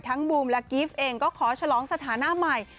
บูมและกิฟต์เองก็ขอฉลองสถานะใหม่